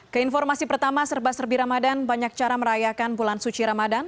keinformasi pertama serba serbi ramadan banyak cara merayakan bulan suci ramadan